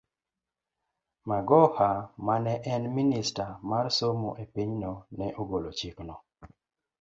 Magoha, ma ne en Minista mar somo e pinyno, ne ogolo chikno.